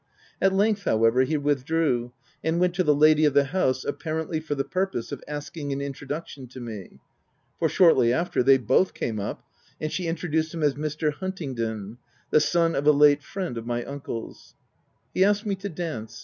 At length, however, he withdrew, and went to the lady of the house, apparently for the purpose of asking an intro duction to me, for, shortly after, they both came up, and she introduced him as Mr. Huntingdon, OF WILDFELL HALL. 281 the son of a late friend of my uncle's. He asked me to dance.